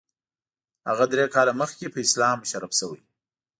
هغه درې کاله مخکې په اسلام مشرف شوی.